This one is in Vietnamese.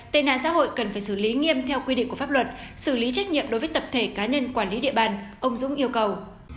tệ nạn xã hội cần phải xử lý nghiêm theo quy định của pháp luật xử lý trách nhiệm đối với tập thể cá nhân quản lý địa bàn ông dũng yêu cầu